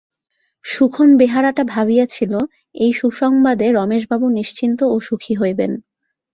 সুখন-বেহারাটা ভাবিয়াছিল, এই সুসংবাদে রমেশবাবু নিশ্চিন্ত ও সুখী হইবেন।